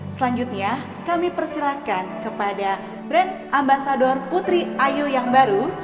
selanjutnya kami persilakan kepada brand ambassador putri ayo yang baru